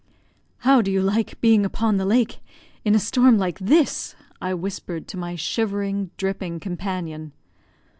"How do you like being upon the lake in a storm like this?" I whispered to my shivering, dripping companion.